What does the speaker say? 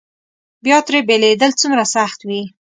بیا ترې بېلېدل څومره سخت وي.